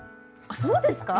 あっそうですか？